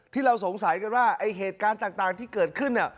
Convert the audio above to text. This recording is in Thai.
เราสงสัยกันว่าไอ้เหตุการณ์ต่างที่เกิดขึ้น